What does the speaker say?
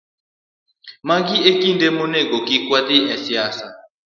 Magi e kinde monego kik wadhi e siasa